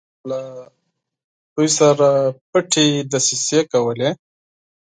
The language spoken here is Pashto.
له هغوی سره پټې دسیسې کولې.